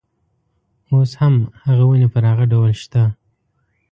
اوس هم هغه ونې پر هغه ډول شته.